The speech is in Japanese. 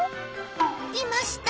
いました！